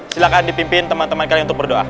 silahkan dipimpin teman teman kalian untuk berdoa